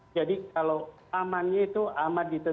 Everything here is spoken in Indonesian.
jadi kalau amannya itu aman diterbitkan